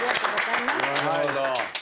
なるほど。